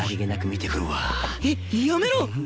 やっやめろ！